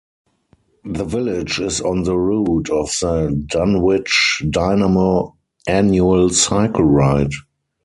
The village is on the route of the Dunwich Dynamo annual cycle ride.